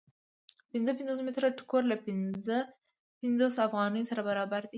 پنځه پنځوس متره ټوکر له پنځه پنځوس افغانیو سره برابر دی